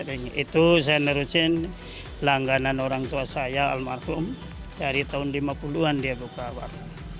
itu saya nerusin langganan orang tua saya almarhum dari tahun lima puluh an dia buka warna